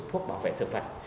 phuốc bảo vệ thực phẩm